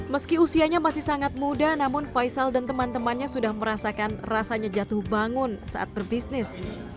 meski usianya masih sangat muda namun faisal dan teman temannya sudah merasakan rasanya jatuh bangun saat berbisnis